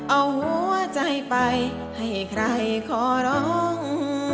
เอาหัวใจไปให้ใครขอร้อง